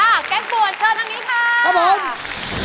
อ้าวแก๊กปวดเชิญทางนี้ค่ะครับผม